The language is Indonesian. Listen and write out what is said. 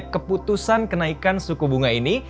keputusan kenaikan suku bunga ini